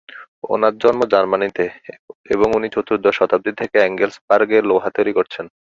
ওনার জন্ম জার্মানিতে এবং উনি চতুর্দশ শতাব্দী থেকে এঙ্গেলসবার্গ-এ লোহা তৈরী করছেন।